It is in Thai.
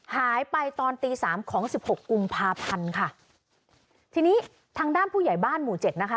หายไปตอนตีสามของสิบหกกุมภาพันธ์ค่ะทีนี้ทางด้านผู้ใหญ่บ้านหมู่เจ็ดนะคะ